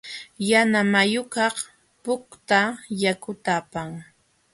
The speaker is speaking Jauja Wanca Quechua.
Yanamayukaq putka yakuta apan.